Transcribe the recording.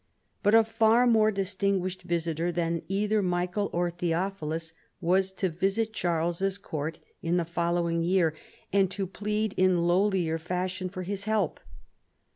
But a far more distinguished visitor than either Michael or Theophilus was to visit Charles's court in the following year, and to plead in lowlier fashion for his help.